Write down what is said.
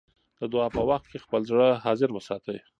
د دعا په وخت کې خپل زړه حاضر وساتئ.